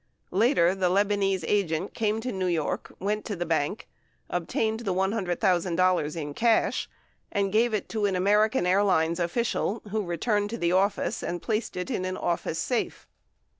Later, the Lebanese agent came to New York, went to the bank, obtained the $100,000 in cash, and gave it to an American Airlines official, who returned to the office and placed it in an office safe.